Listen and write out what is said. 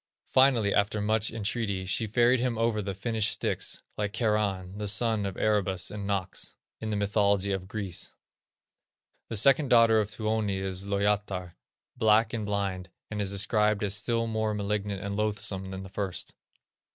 Finally, after much entreaty, she ferried him over the Finnish Styx, like Charon, the son of Erebus and Nox, in the mythology of Greece. The second daughter of Tuoni is Lowyatar, black and blind, and is described as still more malignant and loathsome than the first.